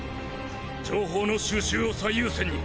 情報の収集を最優先に！